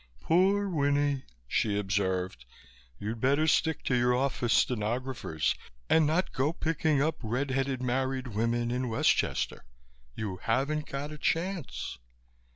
"Poor Winnie!" she observed. "You'd better stick to your office stenographers and not go picking up red headed married women in Westchester. You haven't got a chance."